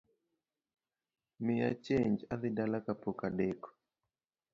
Miya chenj adhi dala kapok odeko